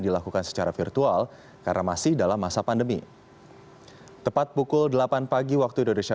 dilakukan secara virtual karena masih dalam masa pandemi tepat pukul delapan pagi waktu indonesia